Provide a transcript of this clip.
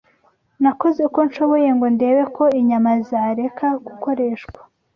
Nakoze uko nshoboye ngo ndebe ko inyama zareka gukoreshwa